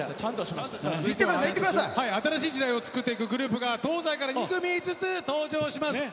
新しい時代を作っていくグループが東西から２組ずつ登場します！